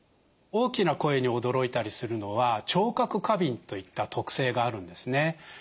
大きな声に驚いたりするのは聴覚過敏といった特性があるんですね。